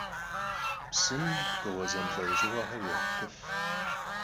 Psım pkhığue zemılh'eujığuexer yêğetk'uf.